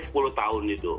sepuluh tahun itu